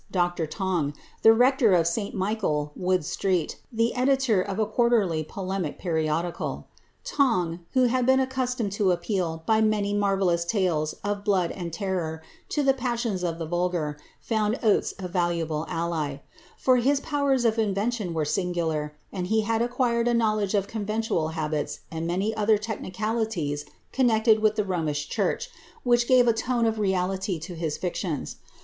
Dr. Tong, the ctor of Sl Michael, Wood street, the editor of a quarterly polemical •nodical. Tong, who had been accustomed to appleal, by many mar* pilous tales of blood and terror, to the passions of the vulgar, found ales a valuable ally; for his powers of invention were singular, and he id acquired a knowledge of conventual habits and many other techni« Jities connected with the Romish church, wliich gave a tone of reality I his fictions.